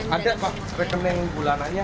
ada pak rekening bulanannya